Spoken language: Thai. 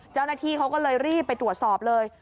เจ้าหน้าที่เขาก็เลยรีบไปตรวจสอบเลย